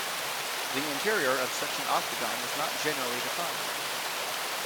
The interior of such an octagon is not generally defined.